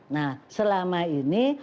nah selama ini